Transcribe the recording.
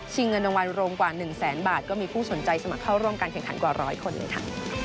เงินรางวัลรวมกว่า๑แสนบาทก็มีผู้สนใจสมัครเข้าร่วมการแข่งขันกว่าร้อยคนเลยค่ะ